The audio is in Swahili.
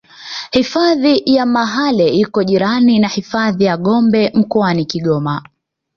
hifadhi ya mahale iko jirani na hifadhi ya gombe mkoani kigoma